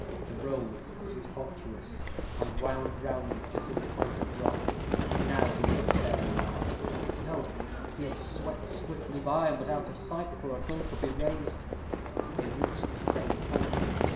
The road was tortuous, and wound round a jutting point of rock. Now he was a fair mark no, he had swept swiftly by, and was out of sight before a gun could be raised. They reached the same point.